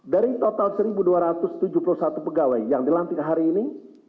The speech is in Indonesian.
dari total satu dua ratus tujuh puluh satu pegawai yang dilantik hari ini